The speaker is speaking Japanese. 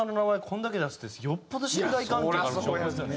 これだけ出すってよっぽど信頼関係がある証拠ですよね。